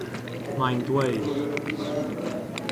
Mae'n dweud...